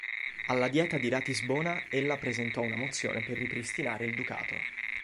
Alla Dieta di Ratisbona ella presentò una mozione per ripristinare il Ducato.